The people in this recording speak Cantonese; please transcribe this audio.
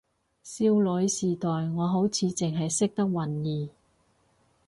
少女時代我好似淨係認得允兒